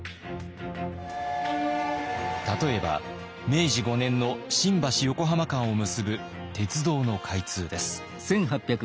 例えば明治５年の新橋・横浜間を結ぶ鉄道の開通です。